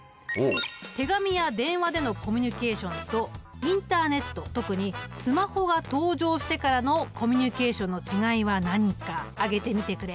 手紙や電話でのコミュニケーションとインターネット特にスマホが登場してからのコミュニケーションの違いは何か挙げてみてくれ。